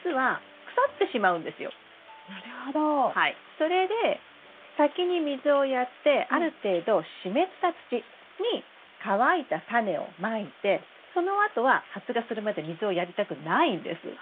それで先に水をやってある程度湿った土に乾いたタネをまいてそのあとは発芽するまで水をやりたくないんです。